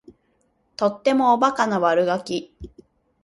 とってもおバカな悪ガキ